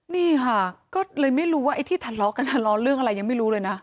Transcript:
นี่ค่ะก็เลยไม่รู้ว่าไอ้ที่ทะเลาะกันทะเลาะเรื่องอะไรยังไม่รู้เลยนะ